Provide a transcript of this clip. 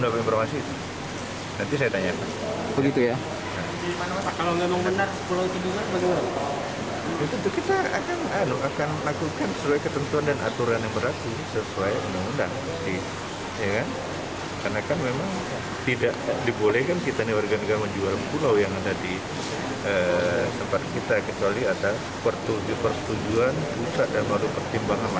penjualan pulau di situs online tersebut